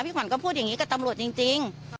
ขวัญก็พูดอย่างนี้กับตำรวจจริง